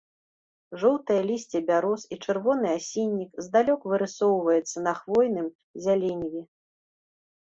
Жоўтае лісце бяроз і чырвоны асіннік здалёк вырысоўваецца на хвойным зяленіве.